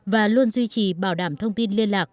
và luôn duy trì bảo đảm thông tin liên lạc